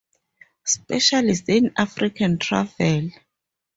Specialist in African Travel.